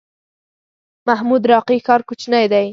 محمود راقي ښار کوچنی دی؟